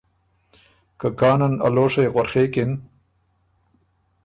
که کانن ا لوشئ غوڒېکِن